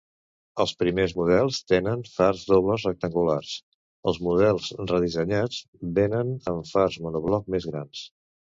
Els primers models tenen fars dobles rectangulars, els models redissenyats vénen amb fars monobloc més grans.